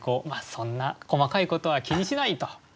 そんな細かいことは気にしないと。